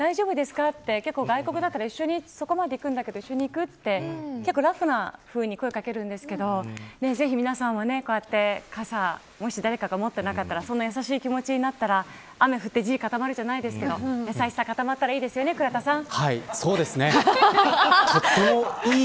私も駅とかでみんな待っていたりすると大丈夫ですかって外国だと、そこまで行くんだけど一緒に行くってラフなふうに声を掛けるんですけどぜひ皆さんも、こうやって、傘もし誰かが持ってなかったらそんな優しい気持ちになったら雨降って、地固まるじゃないですけど優しさがかたまったらいいですよね、倉田さん。